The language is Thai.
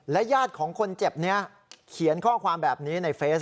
ญาติของคนเจ็บนี้เขียนข้อความแบบนี้ในเฟซ